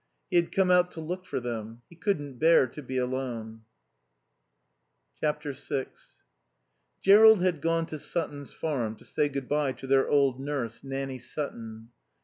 He had come out to look for them. He couldn't bear to be alone. vi Jerrold had gone to Sutton's Farm to say good bye to their old nurse, Nanny Sutton.